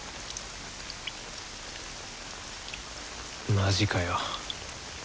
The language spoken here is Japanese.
マジかよ。